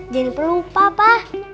jangan lupa pa